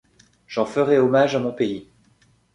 J’en ferais hommage à mon pays!